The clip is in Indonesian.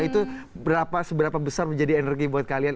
itu seberapa besar menjadi energi buat kalian